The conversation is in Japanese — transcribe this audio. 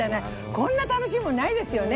そんな楽しいもんないわよね。